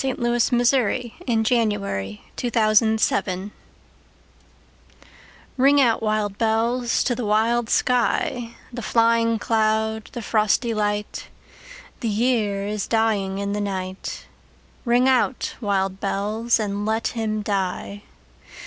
Alfred, Lord Tennyson Ring Out, Wild Bells RING out, wild bells, to the wild sky, The flying cloud, the frosty light; The year is dying in the night; Ring out, wild bells, and let him die.